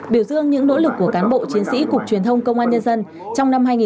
biểu dương những nỗ lực của cán bộ chiến sĩ cục truyền thông công an nhân dân